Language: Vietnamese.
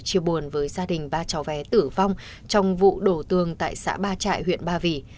chiều buồn với gia đình ba cháu vé tử vong trong vụ đổ tường tại xã ba trại huyện ba vì